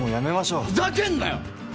ふざけんなよっ！